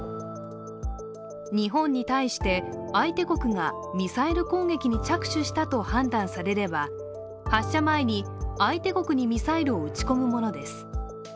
日本に対して相手国がミサイル攻撃に着手したと判断されれば発射前に相手国にミサイルを撃ち込むものです